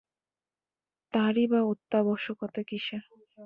তারই বা অত্যাবশ্যকতা কিসের?